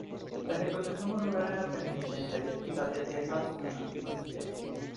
La ejecución tomó lugar en la Penitenciaria Estatal de Texas en Huntsville.